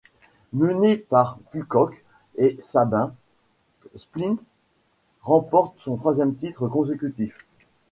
Mené par Kukoč et Sabin, Split remporte son troisième titre consécutif.